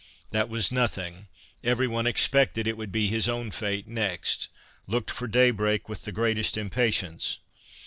That was nothing; every one expected it would be his own fate next; looked for daybreak with the greatest impatience.